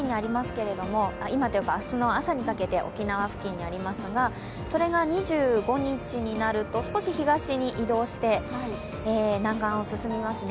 明日の朝にかけて沖縄付近にありますがそれが２５日になると、少し東に移動して、南岸を進みますね。